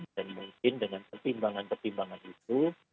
dan mungkin dengan pertimbangan pertimbangan itu